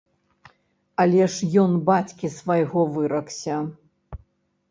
Але ж ён бацькі свайго выракся.